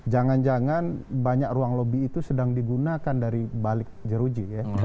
jangan jangan banyak ruang lobby itu sedang digunakan dari balik jeruji ya